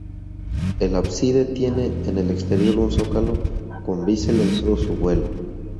El ábside tiene en el exterior un zócalo con bisel en todo su vuelo.